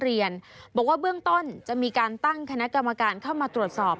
บอกว่าเบื้องต้นจะมีการตั้งคณะกรรมการเข้ามาตรวจสอบ